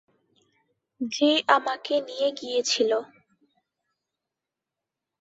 যে আমাকে নিয়ে গিয়েছিল।